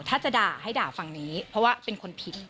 ถ้าจะด่าให้ด่าฝั่งนี้เพราะว่าเป็นคนผิด